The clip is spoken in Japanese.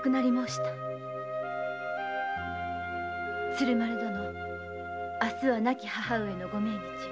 鶴丸殿明日は亡き母上のご命日。